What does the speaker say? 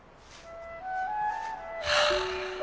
はあ。